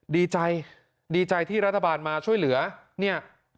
ดีใจดีใจที่รัฐบาลมาช่วยเหลือเนี่ย